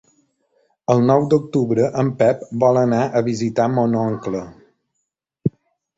El nou d'octubre en Pep vol anar a visitar mon oncle.